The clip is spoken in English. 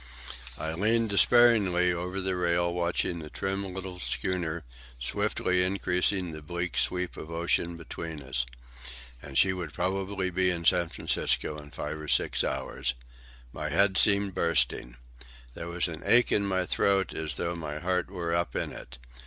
I leaned despairingly over the rail, watching the trim little schooner swiftly increasing the bleak sweep of ocean between us. And she would probably be in San Francisco in five or six hours! My head seemed bursting. There was an ache in my throat as though my heart were up in it.